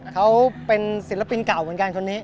เขาเป็นศิลปินเก่าเหมือนกันคนนี้